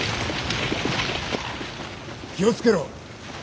気を付けろ。